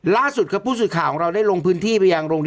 ล่าสุดครับผู้สื่อข่าวของเราได้ลงพื้นที่ไปยังโรงเรียน